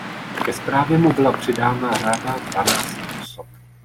Ke správě mu byla přidána rada dvanácti osob.